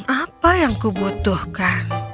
apa yang kubutuhkan